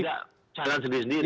jadi tidak cadangan sendiri sendiri